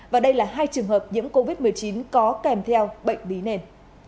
và đây là hai trường hợp nhiễm covid một mươi chín có kèm theo bệnh lý nền